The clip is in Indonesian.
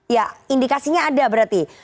ya indikasinya ada berarti